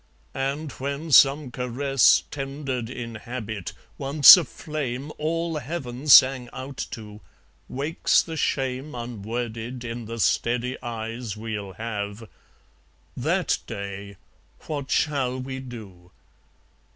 And when some caress Tendered in habit (once a flame All heaven sang out to) wakes the shame Unworded, in the steady eyes We'll have, THAT day, what shall we do?